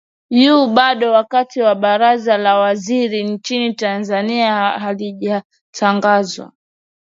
u bado wakati baraza la mawaziri nchini tanzania halijatangazwa